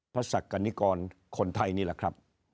ศักดิกรคนไทยนี่แหละครับ